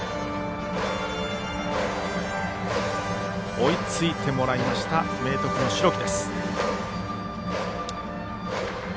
追いついてもらいました明徳の代木。